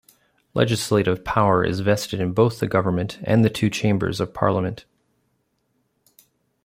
Legislative power is vested in both the government and the two chambers of parliament.